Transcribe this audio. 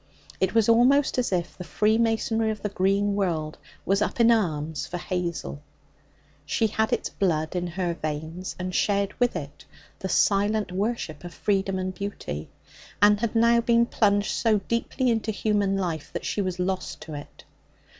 It was almost as if the freemasonry of the green world was up in arms for Hazel. She had its blood in her veins, and shared with it the silent worship of freedom and beauty, and had now been plunged so deeply into human life that she was lost to it.